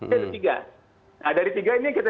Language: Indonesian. itu ada tiga nah dari tiga ini yang kita